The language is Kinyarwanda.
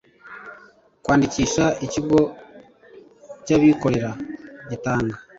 kwandikisha ikigo cy abikorera gitanga